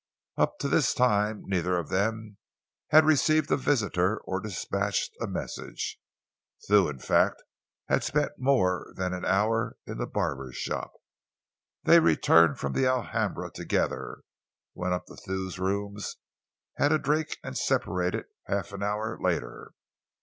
Up to this time neither of them had received a visitor or dispatched a message Thew, in fact, had spent more than an hour in the barber's shop. They returned from the Alhambra together, went up to Thew's rooms, had a drink and separated half an hour later.